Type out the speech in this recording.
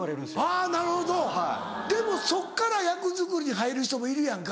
あぁなるほどでもそっから役作りに入る人もいるやんか。